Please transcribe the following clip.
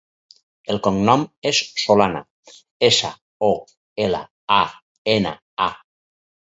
El cognom és Solana: essa, o, ela, a, ena, a.